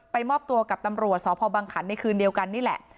มอบตัวกับตำรวจสพบังขันในคืนเดียวกันนี่แหละ